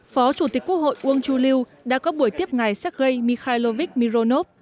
phó chủ tịch quốc hội uông chu lưu đã có buổi tiếp ngài sergei mikhailovich mironov